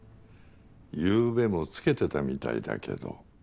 ゆうべもつけてたみたいだけど。